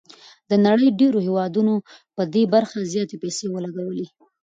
د نړۍ ډېرو هېوادونو پر دې برخه زياتې پيسې ولګولې.